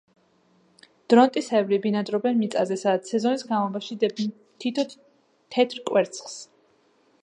დრონტისებრნი ბინადრობდნენ მიწაზე, სადაც სეზონის განმავლობაში დებდნენ თითო თეთრ კვერცხს.